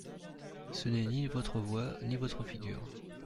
Ce n'est ni votre voix ni votre figure.